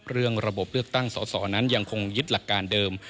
เรื่องระบบเลือกตั้งสอสอนั้นยังคงยึดหลักการเดิม